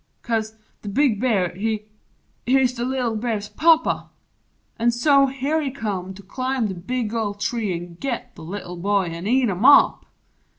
'Cause the Big Bear He he 'uz the Little Bear's Papa. An' so here He come to climb the big old tree an' git The Little Boy an' eat him up!